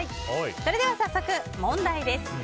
それでは早速、問題です。